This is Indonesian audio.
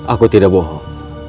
aku tidak bohong